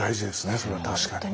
それは確かに。